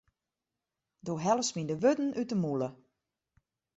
Do hellest my de wurden út de mûle.